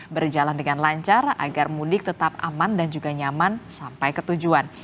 berjalan dengan lancar agar mudik tetap aman dan juga nyaman sampai ke tujuan